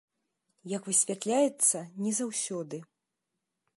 Як высвятляецца, не заўсёды.